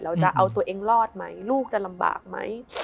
เราจะเอาตัวเองรอดไหมลูกจะลำบากไหม